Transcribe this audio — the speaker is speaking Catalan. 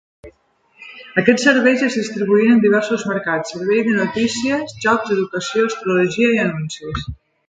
Aquests serveis es distribuïen en diversos mercats: servei de notícies, jocs, educació, astrologia i anuncis.